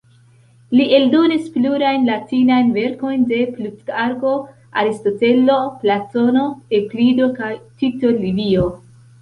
Li eldonis plurajn latinajn verkojn de Plutarko, Aristotelo, Platono, Eŭklido kaj Tito Livio.